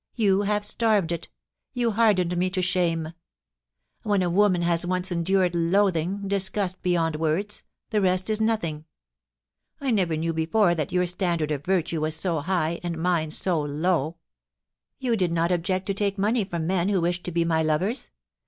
You have starved it You hardened me to shame. ... When a woman has once endured loathing — disgust beyond words — the rest is as nothing ... I never knew before that your standard of virtue was so high, and mine so low. You did not object to take money fh>m men who wished to be my lovers.